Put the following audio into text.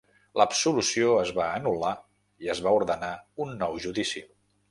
L'absolució es va anul·lar i es va ordenar un nou judici.